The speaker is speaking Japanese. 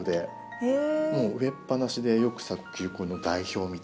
植えっぱなしでよく咲く球根の代表みたいな。